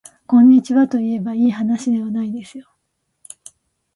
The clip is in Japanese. こんにちはといえばいいはなしではないですよ